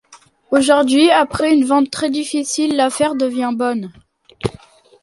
Aujourd’hui après une vente très difficile, l’affaire devient bonne.